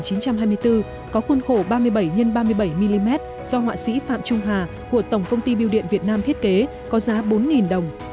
có khuôn khổ ba mươi bảy x ba mươi bảy mm do họa sĩ phạm trung hà của tổng công ty biêu điện việt nam thiết kế có giá bốn đồng